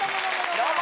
どうも。